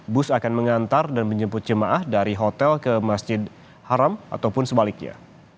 bus akan mengantar dan menjemput jemaah dari hotel ke masjid haram ataupun sebaliknya